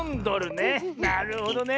なるほどね。